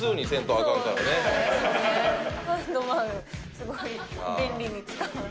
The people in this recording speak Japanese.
すごい便利に使われて。